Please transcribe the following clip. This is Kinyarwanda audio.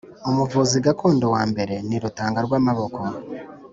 Umuvuzi gakondo wa mbere ni Rutangarwamaboko